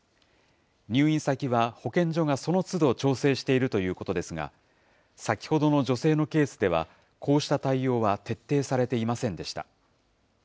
入院先は保健所がそのつど調整しているということですが、先ほどの女性のケースでは、こうした対応は徹底されていませんでした。